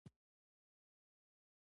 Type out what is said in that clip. د ځان ساتنه غریزه وه او وژل راته عادي شول